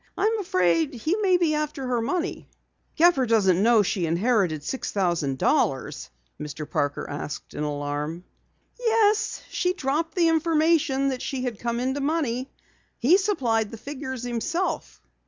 I am afraid he may be after her money." "Gepper doesn't know she inherited six thousand dollars?" Mr. Parker asked in alarm. "Yes, she dropped the information that she had come into money. He supplied figures himself."